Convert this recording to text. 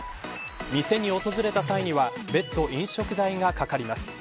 店に訪れた際には別途飲食代がかかります。